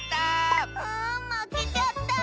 あぁまけちゃった。